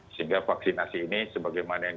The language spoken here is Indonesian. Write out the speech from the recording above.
sehingga vaksinasi ini sebagaimana yang